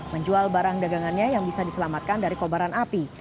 menjual barang dagangannya yang bisa diselamatkan dari kobaran api